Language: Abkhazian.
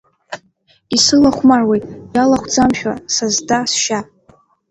Исылахәмаруеит иалахәӡамшәа са сда-сшьа.